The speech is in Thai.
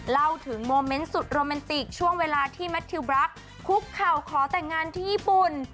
เล่าถึงโมเมนต์สุดโรแมนติกช่วงเวลาที่แมททิวบรักคุกเข่าขอแต่งงานที่ญี่ปุ่น